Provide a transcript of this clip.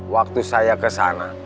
waktu saya ke sana